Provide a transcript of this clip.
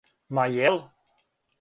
Ма је л?